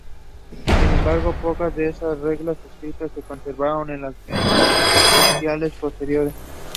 She jumps into the river but gets knocked unconscious and put in an ambulance.